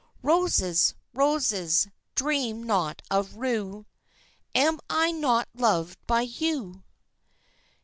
Roses, roses, dream not of rue! Am I not loved by you?